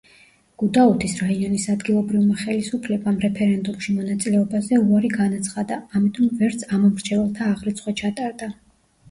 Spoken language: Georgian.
გუდაუთის რაიონის ადგილობრივმა ხელისუფლებამ რეფერენდუმში მონაწილეობაზე უარი განაცხადა, ამიტომ ვერც ამომრჩეველთა აღრიცხვა ჩატარდა.